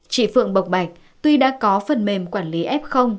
chị phượng bộc bạch tuy đã có phần mềm quản lý f